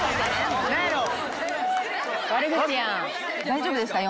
大丈夫ですか？